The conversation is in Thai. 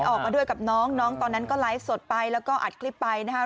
ออกมาด้วยกับน้องน้องตอนนั้นก็ไลฟ์สดไปแล้วก็อัดคลิปไปนะครับ